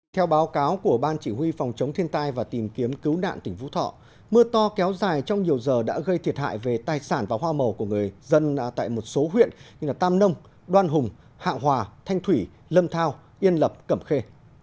theo báo cáo của ban chỉ huy phòng chống thiên tai và tìm kiếm cứu nạn tỉnh vũ thọ mưa to kéo dài trong nhiều giờ đã gây thiệt hại về tài sản và hoa màu của người dân tại một số huyện như tam nông đoan hùng hạ hòa thanh thủy lâm thao yên lập cẩm khê